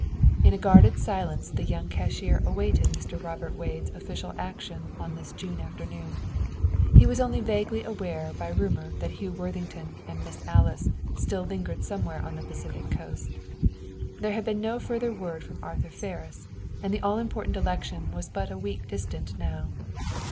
In a guarded silence the young cashier awaited Mr. Robert Wade's official action on this June afternoon. He was only vaguely aware by rumor that Hugh Worthington and Miss Alice still lingered somewhere on the Pacific Coast. There had been no further word from Arthur Ferris, and the all important election was but a week distant now.